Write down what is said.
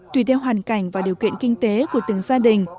tùy theo hoàn cảnh và điều kiện kinh tế của từng gia đình